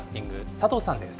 佐藤さんです。